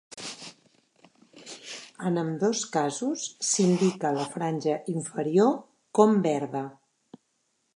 En ambdós casos s'indica la franja inferior com verda.